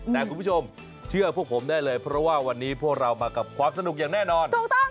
แต่คุณผู้ชมเชื่อพวกผมได้เลยเพราะว่าวันนี้พวกเรามากับความสนุกอย่างแน่นอน